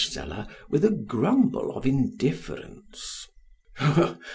(with a grumble of indifference).